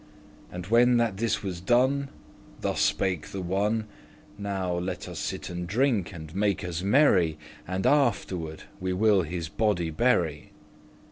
And when that this was done, thus spake the one; "Now let us sit and drink, and make us merry, And afterward we will his body bury."